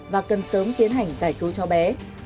và cần sớm tiến hành giải cứu cho bé